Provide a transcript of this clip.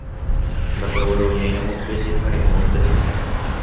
Ndapegueroviáiramo pejesarekónte hese